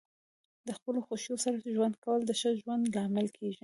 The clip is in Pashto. د خپلو خوښیو سره ژوند کول د ښه ژوند لامل کیږي.